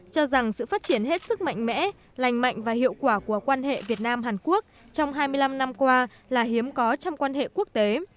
cho rằng sự phát triển hết sức mạnh mẽ lành mạnh và hiệu quả của quan hệ việt nam hàn quốc trong hai mươi năm năm qua là hiếm có trong quan hệ quốc tế